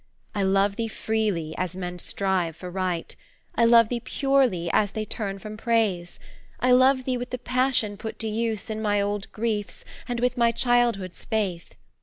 I love thee freely, as men strive for Right, I love thee purely, as they turn from Praise. I love thee with the passion put to use In my old griefs, and with my childhood's faith.